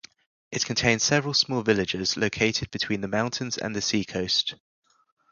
It contains several small villages located between the mountains and the seacoast.